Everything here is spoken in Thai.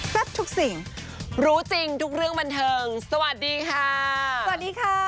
ทุกสิ่งรู้จริงทุกเรื่องบันเทิงสวัสดีค่ะสวัสดีค่ะ